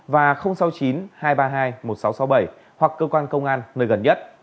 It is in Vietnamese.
và sáu mươi chín hai trăm ba mươi hai một nghìn sáu trăm sáu mươi bảy hoặc cơ quan công an nơi gần nhất